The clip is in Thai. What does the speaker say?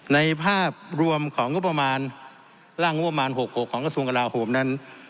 ในภาพรวมของร่างพบ๖๖ของกระทรวงการห่วงนั้น